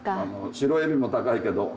白えびも高いけど。